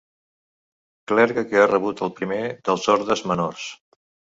Clergue que ha rebut el primer dels ordes menors.